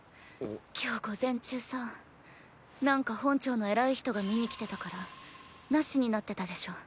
今日午前中さなんか本庁のエラい人が見に来てたから無しになってたでしょ？